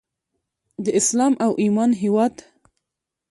د اسلام او ایمان هیواد.